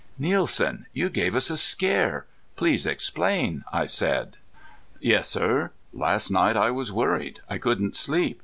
"Nielsen, you gave us a scare. Please explain," I said. "Yes, sir. Last night I was worried. I couldn't sleep.